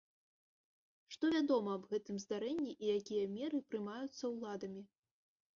Што вядома аб гэтым здарэнні, і якія меры прымаюцца ўладамі?